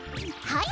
はい。